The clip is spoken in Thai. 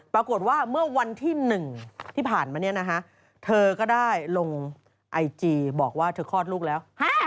ปรากฏว่าเมื่อวันที่๑ที่ผ่านมาเนี่ยนะฮะเธอก็ได้ลงไอจีบอกว่าเธอคลอดลูกแล้ว